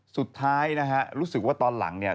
สุดท้ายนะฮะรู้สึกว่าตอนหลังเนี่ย